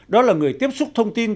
đó là người tiếp xúc thông tin